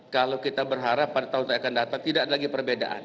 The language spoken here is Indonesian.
kalau kita berharap pada tahun yang akan datang tidak ada lagi perbedaan